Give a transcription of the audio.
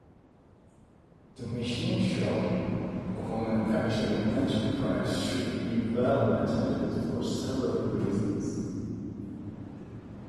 The machine shop of a manufacturing enterprise should be well ventilated for several reasons.